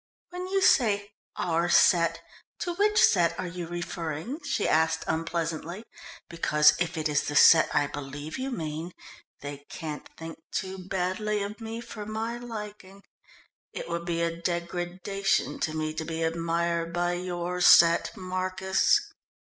"When you say 'our set,' to which set are you referring?" she asked unpleasantly. "Because if it is the set I believe you mean, they can't think too badly of me for my liking. It would be a degradation to me to be admired by your set, Marcus."